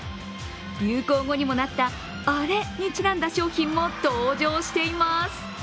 流行語にもなった、あれにちなんだ商品も登場しています。